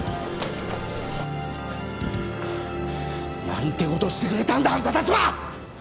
何てことをしてくれたんだあんた達は！！